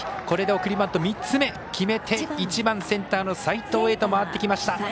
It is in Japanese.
これで送りバント３つ目決めて１番センターの齋藤へと回ってきました。